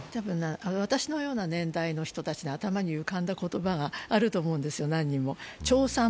私のような年代の人たちの頭に浮かんだ言葉があると思うんですよ、何人も。